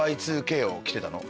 Ｙ２Ｋを着てたの？